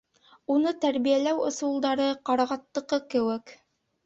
Уны тәрбиәләү ысулдары ҡарағаттыҡы кеүек.